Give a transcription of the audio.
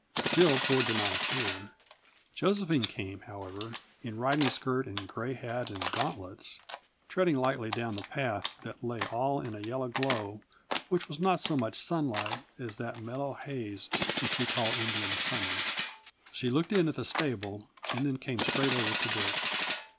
Still Ford did not appear. Josephine came, however, in riding skirt and gray hat and gauntlets, treading lightly down the path that lay all in a yellow glow which was not so much sunlight as that mellow haze which we call Indian Summer. She looked in at the stable, and then came straight over to Dick.